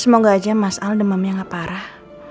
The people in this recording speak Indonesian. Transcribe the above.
semoga aja mas al demamnya gak parah